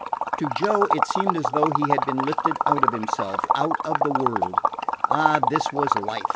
To Joe it seemed as though he had been lifted out of himself out of the world. Ah, this was life!